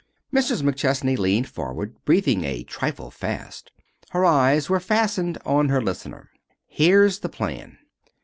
Mrs. McChesney leaned forward, breathing a trifle fast. Her eyes were fastened on her listener. "Here's the plan.